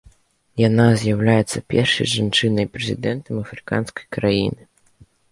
Яна з'яўляецца першай жанчынай-прэзідэнтам афрыканскай краіны.